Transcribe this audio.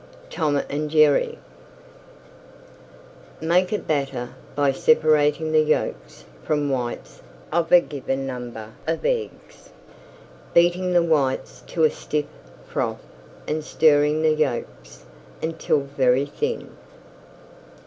TOM AND JERRY Make a batter by separating the yolks from whites of a given number of Eggs; beating the whites to a stiff froth and stirring the yolks until very thin.